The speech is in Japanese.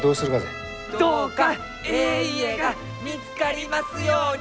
どうかえい家が見つかりますように！